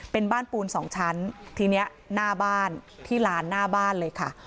เป็นบ้านปูนสองชั้นทีนี้หน้าบ้านที่ลานหน้าบ้านเลยค่ะ